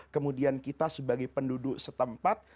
kemudian kita sebagai penduduk setempat